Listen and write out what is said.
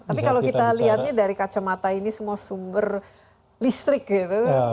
tapi kalau kita lihatnya dari kacamata ini semua sumber listrik gitu